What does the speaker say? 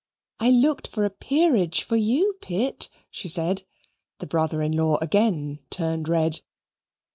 "I looked for a peerage for you, Pitt," she said (the brother in law again turned red).